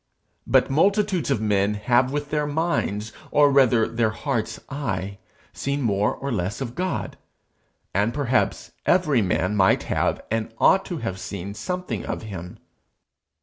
But multitudes of men have with their mind's, or rather their heart's eye, seen more or less of God; and perhaps every man might have and ought to have seen something of him.